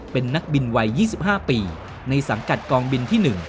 เป็นนักบินวัยยี่สิบห้าปีในสังกัดกองบินที่หนึ่ง